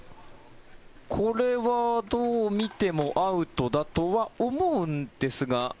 これはどう見てもアウトだとは思うんですが。